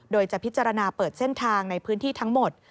โดยจะพิจารณาเปิดเส้นทางในพื้นที่ทั้งหมด